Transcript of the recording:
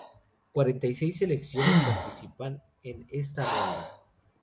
Cuarenta y seis selecciones participarán en esta ronda.